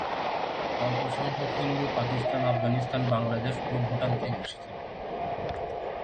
অল্প সংখ্যক হিন্দু পাকিস্তান, আফগানিস্তান, বাংলাদেশ, ও ভুটান থেকে এসেছেন।